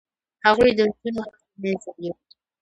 هغوی د نجونو حق له منځه یووړ.